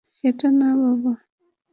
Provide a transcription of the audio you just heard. সেটা না বাবা!